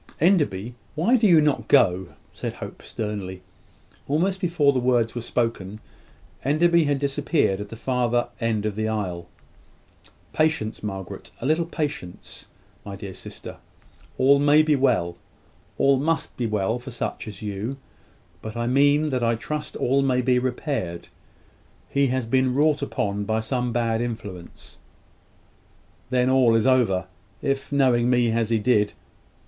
"Enderby, why do not you go?" said Hope, sternly. Almost before the words were spoken, Enderby had disappeared at the further end of the aisle. "Patience, Margaret! A little patience, my dear sister. All may be well; all must be well for such as you; but I mean that I trust all may be repaired. He has been wrought upon by some bad influence " "Then all is over. If, knowing me as he did